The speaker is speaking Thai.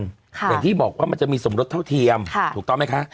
อย่างที่บอกว่ามันจะมีสมรสเท่าเทียมถูกต้องไหมคะ